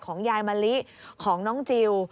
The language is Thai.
ยายมะลิของน้องจิล